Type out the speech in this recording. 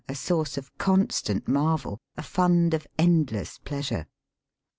a source of constant marvel, a fund of endless pleasure.